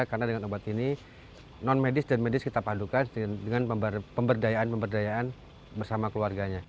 karena dengan obat ini non medis dan medis kita padukan dengan pemberdayaan pemberdayaan bersama keluarganya